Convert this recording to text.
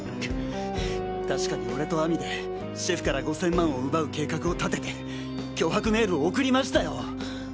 たしかに俺と亜美でシェフから５０００万を奪う計画を立てて脅迫メールを送りましたよ。